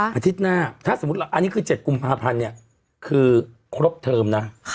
อาทิตย์หน้าถ้าสมมุติอันนี้คือ๗กุมภาพันธ์เนี่ยคือครบเทอมนะ